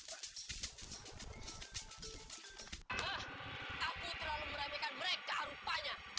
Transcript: aku terlalu meramikan mereka rupanya